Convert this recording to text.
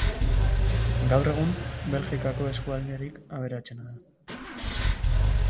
Gaur egun, Belgikako eskualderik aberatsena da.